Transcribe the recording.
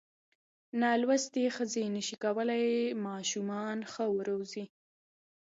نالوستې ښځې نشي کولای ماشومان ښه وروزي.